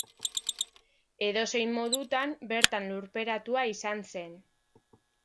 Edozein modutan, bertan lurperatua izan zen.